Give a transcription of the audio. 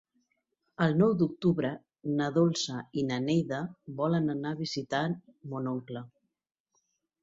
El nou d'octubre na Dolça i na Neida volen anar a visitar mon oncle.